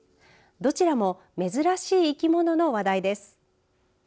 どちらも珍しい生き物の話題です。